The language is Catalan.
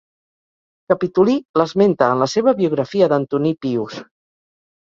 Capitolí l'esmenta en la seva biografia d'Antoní Pius.